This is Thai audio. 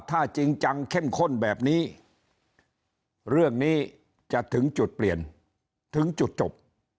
ถ้าจริงจังเข้มข้นแบบนี้เรื่องนี้จะถึงจุดเปลี่ยนถึงจุดจบ